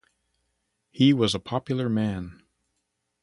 He was a popular man.